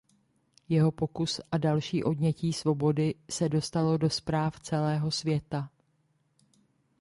Jeho pokus a další odnětí svobody se dostalo do zpráv celého světa.